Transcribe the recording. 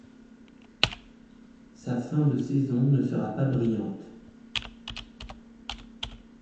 Sa fin de saison ne sera pas brillante.